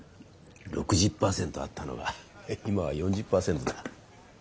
６０％あったのが今は４０％だ。